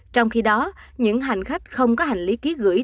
trong khi đó những hành khách không có hành lý ký gửi